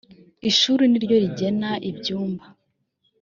ishuri niryo rigena ibyumba.